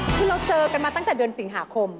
คือเราเจอกันมาตั้งแต่เดือนสิงหาคม